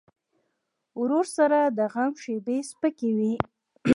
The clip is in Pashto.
ورور سره د غم شیبې سپکې وي.